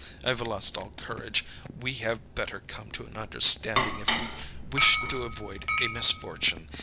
I've lost all courage. We had better come to an understanding if we wish to avoid a misfortune.